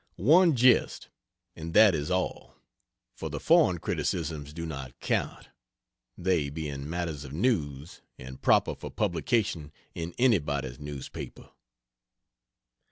One jest and that is all; for the foreign criticisms do not count, they being matters of news, and proper for publication in anybody's newspaper.